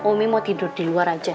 omik mau tidur di luar aja